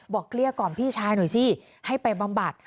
เกลี้ยกล่อมพี่ชายหน่อยสิให้ไปบำบัด